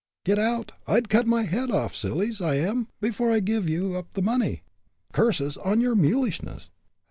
Get out! I'd cut my head off, silly's I am, before I'd give you up the money." "Curses on your mulishness!"